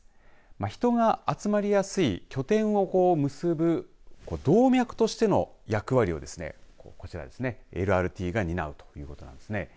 人が集まりやすい拠点を結ぶ動脈としての役割をですねこちらですね、ＬＲＴが担うということです。